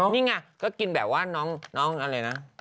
นี่ไงก็กินแบบว่าน้องอะไรนะ